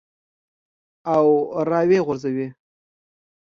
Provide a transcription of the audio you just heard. او راویې غورځوې.